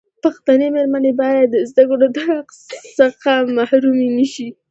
پښتنې مېرمنې باید د زدکړو دحق څخه محرومي نشي.